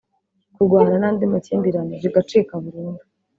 kurwana n’andi makimbirane bigacika burundu